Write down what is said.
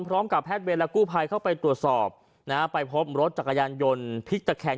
พร้อมกับแพทย์เวรและกู้ภัยเข้าไปตรวจสอบไปพบรถจักรยานยนต์พิกตะแคง